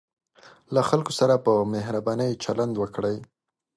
له خلکو سره په مهربانۍ چلند وکړئ.